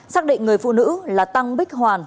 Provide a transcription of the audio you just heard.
xác định người phụ nữ là tăng bích hoàn